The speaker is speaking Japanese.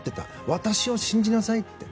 私を信じなさいって。